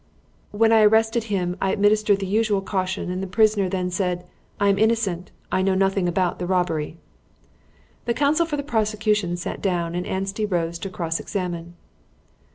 "When I arrested him, I administered the usual caution, and the prisoner then said, 'I am innocent. I know nothing about the robbery.'" The counsel for the prosecution sat down, and Anstey rose to cross examine.